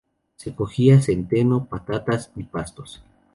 Se cogía centeno, patatas y pastos.